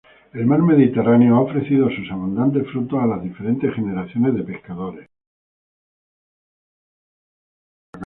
El mar Mediterráneo ha ofrecido sus abundantes frutos a las diferentes generaciones de pescadores.